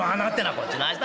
「こっちの話だ